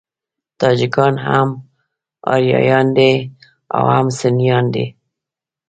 تاجکان هم آریایان دي او هم سنيان دي.